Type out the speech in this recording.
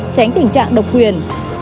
tránh tình trạng độc quyền